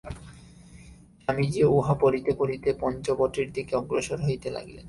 স্বামীজীও উহা পড়িতে পড়িতে পঞ্চবটীর দিকে অগ্রসর হইতে লাগিলেন।